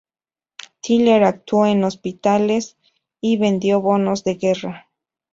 Tilley actuó en hospitales y vendió bonos de guerra.